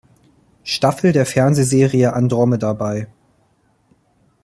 Staffel der Fernsehserie "Andromeda" bei.